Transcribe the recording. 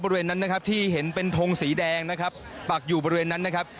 บริเวณนั้นนะครับที่เห็นเป็นทงสีแดงนะครับปักอยู่บริเวณนั้นนะครับ